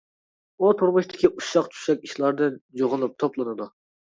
ئۇ تۇرمۇشتىكى ئۇششاق-چۈششەك ئىشلاردىن جۇغلىنىپ توپلىنىدۇ.